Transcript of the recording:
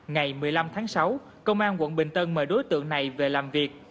ngày một mươi năm tháng sáu công an quận bình tân mời đối tượng này về làm việc